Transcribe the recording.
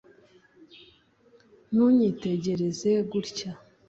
ntunyitegereze gutya